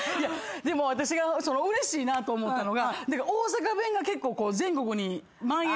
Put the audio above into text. でも私がうれしいなと思ったのが大阪弁が結構全国にまん延してるやん。